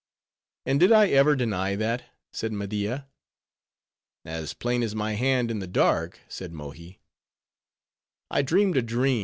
"And did I ever deny that?" said Media. "As plain as my hand in the dark," said Mohi.